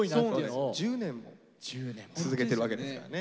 １０年も続けてるわけですからね。